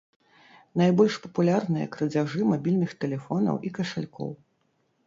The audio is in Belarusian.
Найбольш папулярныя крадзяжы мабільных тэлефонаў і кашалькоў.